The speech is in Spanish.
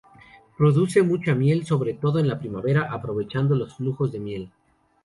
Produce mucha miel sobre todo en la primavera, aprovechando los flujos de miel.